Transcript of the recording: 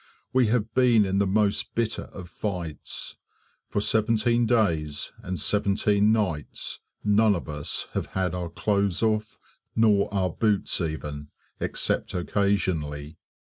We have been in the most bitter of fights. For seventeen days and seventeen nights none of us have had our clothes off, nor our boots even, except occasionally.